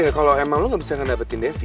gini deh kalau emang lu gak bisa ngedapetin devi